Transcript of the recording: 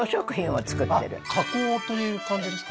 加工という感じですか？